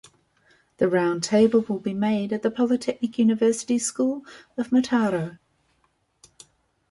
The round table will be made at the Polytechnic University School of Mataró.